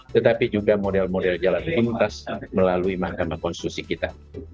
tetapi juga model model jalan pintas melalui mahkamah konstitusi kita